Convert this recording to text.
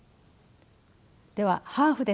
では「ハーフですか？